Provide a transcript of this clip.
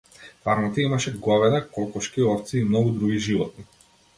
Фармата имаше говеда, кокошки, овци и многу други животни.